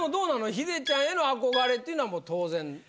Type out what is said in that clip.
ヒデちゃんへの憧れっていうのはもう当然。